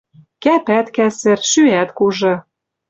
Кӓпӓт кӓсӹр, шӱӓт кужы